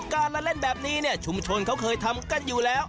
การละเล่นแบบนี้เนี่ยชุมชนเขาเคยทำกันอยู่แล้ว